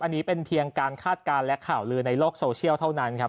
อันนี้เป็นเพียงการคาดการณ์และข่าวลือในโลกโซเชียลเท่านั้นครับ